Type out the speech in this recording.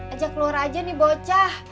ajak luar aja nih bocah